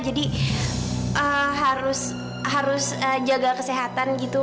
jadi harus jaga kesehatan gitu